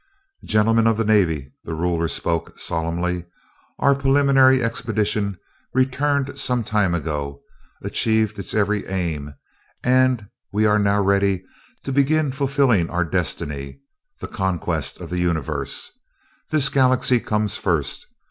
"Gentlemen of the Navy," the ruler spoke solemnly, "Our preliminary expedition, returned some time ago, achieved its every aim, and we are now ready to begin fulfilling our destiny, the Conquest of the Universe. This Galaxy comes first.